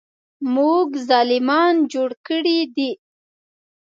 موږ ظالمان جوړ کړي دي.